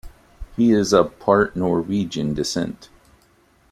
He is of part Norwegian descent.